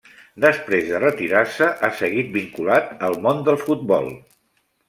Després de retirar-se ha seguit vinculat al món del futbol.